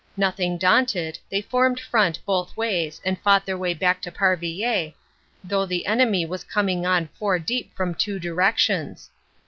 Nothing daunted, they formed front both ways and fought their way back into Parvillers, though the enemy was coming on four deep from two direc tions.